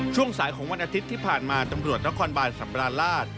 ช่วงสายของวันอาทิตย์ที่ผ่านมาตำรวจนครบาลสัปราช